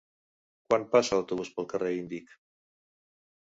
Quan passa l'autobús pel carrer Índic?